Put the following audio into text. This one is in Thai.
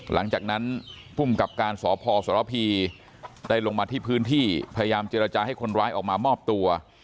หลังจากนั้นภูมิกับการสพสรพีได้ลงมาที่พื้นที่พยายามเจรจาให้คนร้ายออกมามอบตัว